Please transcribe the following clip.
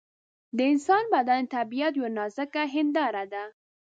د انسان بدن د طبیعت یوه نازکه هنداره ده.